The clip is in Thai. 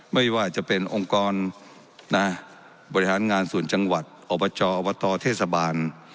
ไม่ว่าจะเป็นองค์กรบริหารงานส่วนจังหวัดอบจอบตเทศบาล